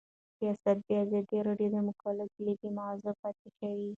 سیاست د ازادي راډیو د مقالو کلیدي موضوع پاتې شوی.